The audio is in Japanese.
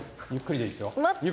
ゆっくりでいいですよ。